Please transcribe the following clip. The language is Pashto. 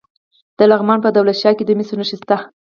د لغمان په دولت شاه کې د مسو نښې شته.